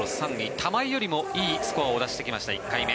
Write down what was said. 玉井よりもいいスコアを出してきました